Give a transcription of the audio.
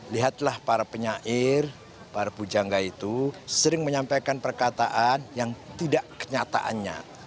lihatlah para penyair para pujangga itu sering menyampaikan perkataan yang tidak kenyataannya